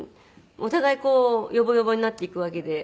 お互いこうヨボヨボになっていくわけで。